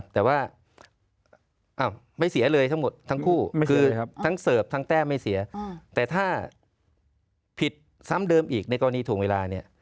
ทั้งเสิร์ฟทั้งแต้มไม่เสียแต่ถ้าผิดซ้ำเดิมอีกในกรณีถูกเวลาเนี่ย